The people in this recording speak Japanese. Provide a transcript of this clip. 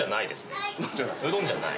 うどんじゃない？